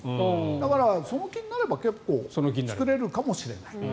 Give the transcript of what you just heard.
だから、その気になれば結構作れるかもしれない。